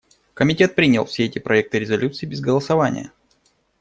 Комитет принял все эти проекты резолюций без голосования.